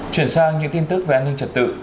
chuyển sang những tin tức về an ninh trật tự